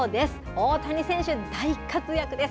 大谷選手、大活躍です。